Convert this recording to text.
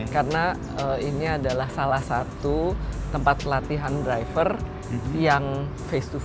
karena ini adalah salah satu tempat pelatihan driver yang face to face